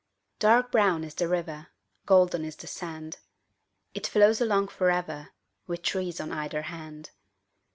Dark brown is the river, Golden is the sand. It flows along for ever, With trees on either hand.